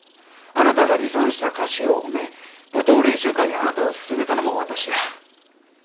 あなたが持参した菓子を褒め舞踏練習会にあなたを薦めたのも私だ。